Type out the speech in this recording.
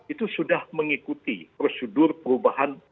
itu sudah mengikuti prosedur perubahan